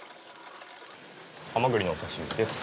ハマグリのお刺し身です。